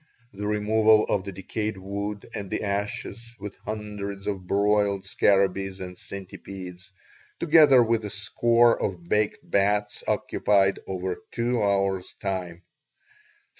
The removal of the decayed wood and the ashes, with hundreds of broiled scarabees and centipedes, together with a score of baked bats occupied over two hours' time.